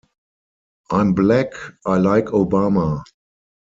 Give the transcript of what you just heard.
I'm black; I like Obama.